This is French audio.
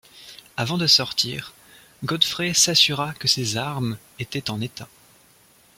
Avant de sortir, Godfrey s’assura que ses armes étaient en état.